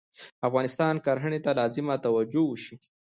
افغانستان کرهنې ته لازمه توجه وشي